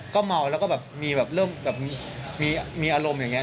ก็เมาก็แบบมีอารมณ์อย่างนี้